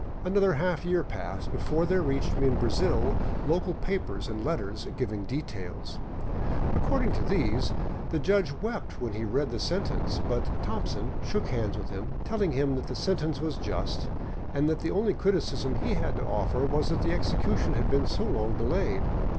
Another half year passed before there reached me in Brazil local papers and letters giving details. According to these, the judge wept when he read the sentence, but Thompson " shook hands with him, telling him the sentence was just, and that the only criticism he had to offer was that the execution had been so long delayed.